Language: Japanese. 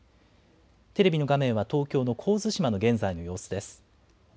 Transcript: テレビの画面は東京の神津島の現在の様子です。